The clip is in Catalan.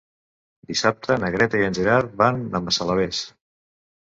Dissabte na Greta i en Gerard van a Massalavés.